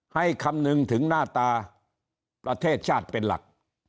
คำนึงถึงหน้าตาประเทศชาติเป็นหลัก